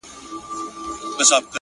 يو سړی لکه عالم درپسې ژاړي-